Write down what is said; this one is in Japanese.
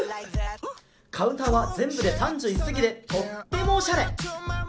カウンターは全部で３１席でとってもおしゃれ。